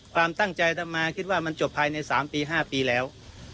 ความตั้งใจทำมาคิดว่ามันจบภายใน๓ปี๕ปีแล้ว